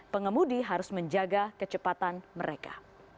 pengemudi harus menjaga kecepatan mereka